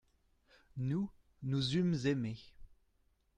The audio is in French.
Nous, nous eûmes aimé.